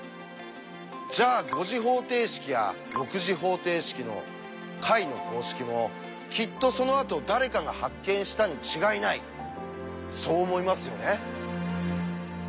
じゃあ５次方程式や６次方程式の解の公式もきっとそのあと誰かが発見したに違いないそう思いますよね。